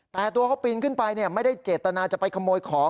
แต่ตัวเขาปีนขึ้นไปไม่ได้เจตนาจะไปขโมยของ